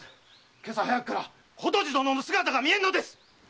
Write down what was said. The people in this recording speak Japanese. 今朝早くから琴路殿の姿が見えんのです！